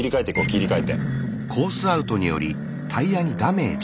切り替えて。